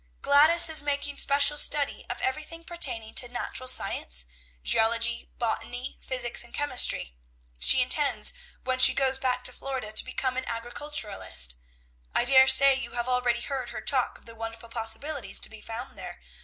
Gladys is making special study of everything pertaining to natural science, geology, botany, physics, and chemistry. She intends when she goes back to Florida to become an agriculturist. I dare say you have already heard her talk of the wonderful possibilities to be found there.